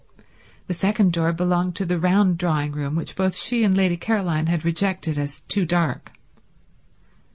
The second door belonged to the round drawing room, which both she and Lady Caroline had rejected as too dark.